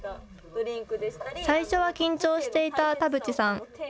最初は緊張していた田渕さん。